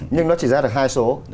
nhưng nó chỉ ra được hai số